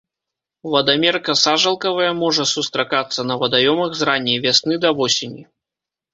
Вадамерка сажалкавая можа сустракацца на вадаёмах з ранняй вясны да восені.